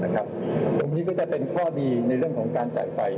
ตรงนี้ก็จะเป็นข้อดีในเรื่องของการจ่ายไฟ